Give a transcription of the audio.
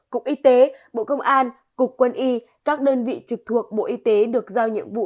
cục y tế bộ công an cục quân y các đơn vị trực thuộc bộ y tế được giao nhiệm vụ